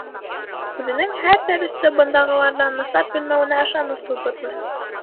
Үҙенең һәр дәресте бындағыларҙан насар белмәүенә ышаныс тыуҙырҙы.